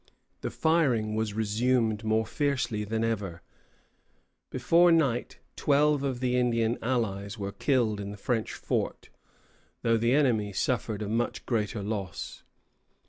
The firing was resumed more fiercely than ever. Before night twelve of the Indian allies were killed in the French fort, though the enemy suffered a much greater loss.